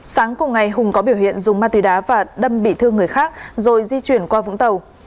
sáng cùng ngày hùng có biểu hiện dùng ma túy đá và đâm bị thương người khác rồi di chuyển qua vũng tàu